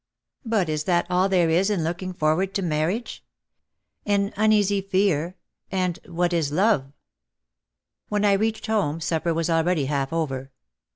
But is that all there is in looking forward to marriage? An uneasy fear — and what is love! When I reached home supper was already half over.